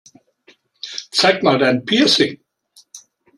Zeig mal dein Piercing!